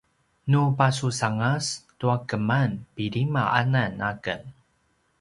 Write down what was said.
nu pasusangas tua keman pilima anan aken